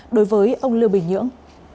đối với ông liêu bình nhưỡng